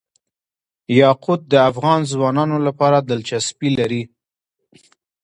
یاقوت د افغان ځوانانو لپاره دلچسپي لري.